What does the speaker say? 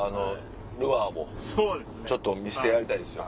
ルアーもちょっと見せてやりたいですよ